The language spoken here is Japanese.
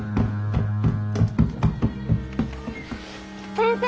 先生！